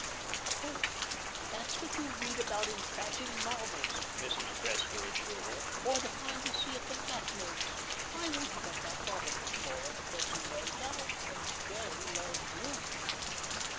"Oh, that's what you read about in trashy novels," Mrs. Cressler assured her, "or the kind you see at the matinees. I wouldn't let that bother me, Laura. There's no doubt that 'J.' loves you."